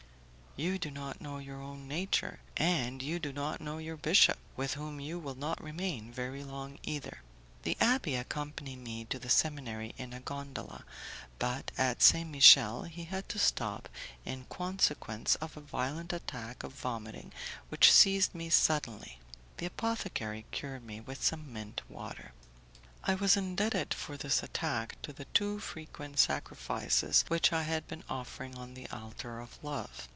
"You do not know your own nature, and you do not know your bishop, with whom you will not remain very long either." The abbé accompanied me to the seminary in a gondola, but at Saint Michel he had to stop in consequence of a violent attack of vomiting which seized me suddenly; the apothecary cured me with some mint water. I was indebted for this attack to the too frequent sacrifices which I had been offering on the altar of love.